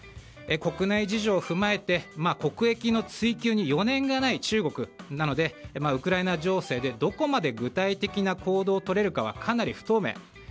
国内事情を踏まえて国益の追求に余念がない中国なのでウクライナ情勢で、どこまで具体的な行動をとれるかはかなり不透明。